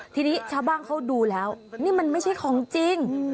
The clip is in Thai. ทีนี้ชาวบ้านเขาดูแล้วนี่มันไม่ใช่ของจริง